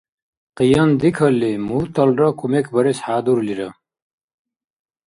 Къияндикалли, мурталра кумекбарес хӏядурлира